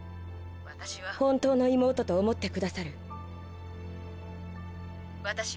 私は本当の妹と思ってくださる？